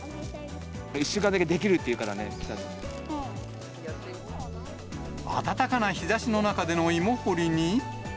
１週間だけできるっていうか暖かな日ざしの中での芋掘りに。